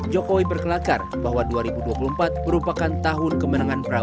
jokowi berkelakar bahwa dua ribu dua puluh empat merupakan tahun kemenangan prabowo